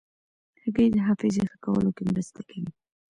هګۍ د حافظې ښه کولو کې مرسته کوي.